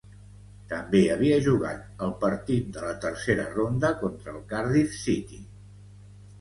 També havia jugat el partit de la tercera ronda contra el Cardiff City.